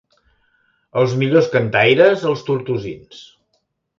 Els millors cantaires, els tortosins.